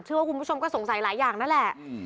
ว่าคุณผู้ชมก็สงสัยหลายอย่างนั่นแหละ